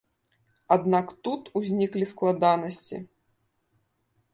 Аднак тут узніклі складанасці.